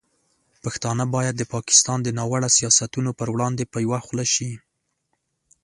پښتانه باید د پاکستان د ناوړه سیاستونو پر وړاندې په یوه خوله شي.